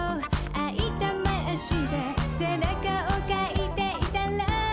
「あいた前足で背中をカイていたら」